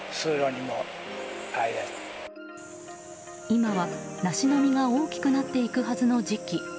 今は、ナシの実が大きくなっていくはずの時期。